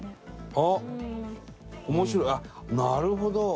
あっ面白いなるほど！